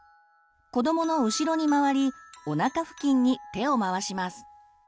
子どもの後ろに回りおなか付近に手を回します。